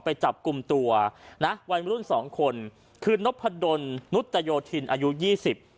ไปจับกลุ่มตัวนะวัยมรุ่นสองคนคือนพดลนุตโยธินอายุยี่สิบ